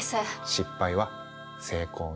「失敗は成功の母」。